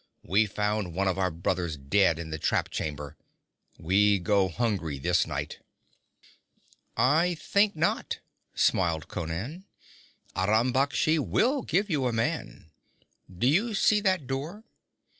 We found one of our brothers dead in the trap chamber. We go hungry this night.' 'I think not,' smiled Conan. 'Aram Baksh will give you a man. Do you see that door?'